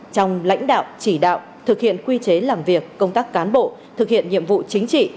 trong lãnh đạo chỉ đạo thực hiện quy chế làm việc công tác cán bộ thực hiện nhiệm vụ chính trị